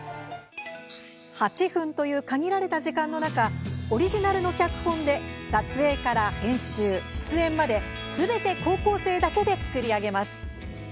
８分という限られた時間の中オリジナルの脚本で撮影から編集、出演まですべて高校生だけで作り上げます。